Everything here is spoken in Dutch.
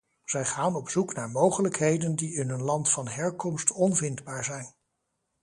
Zij gaan op zoek naar mogelijkheden die in hun land van herkomst onvindbaar zijn.